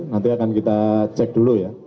nanti akan kita cek dulu ya